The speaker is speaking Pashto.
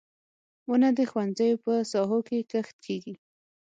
• ونه د ښوونځیو په ساحو کې کښت کیږي.